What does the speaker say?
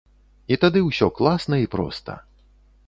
І тады ўсё класна і проста.